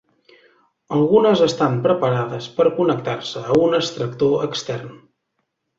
Algunes estan preparades per connectar-se a un extractor extern.